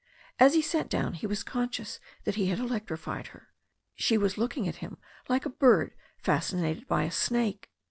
As he sat down he was conscious that he had electrified her. She was looking at him like a bird fascinated by a snake.